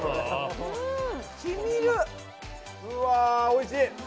うわおいしい！